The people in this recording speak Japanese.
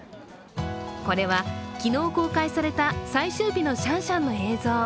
これは昨日公開された最終日のシャンシャンの映像。